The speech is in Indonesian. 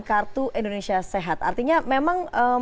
kartu indonesia sehat artinya memang